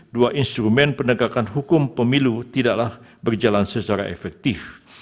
dua instrumen penegakan hukum pemilu tidaklah berjalan secara efektif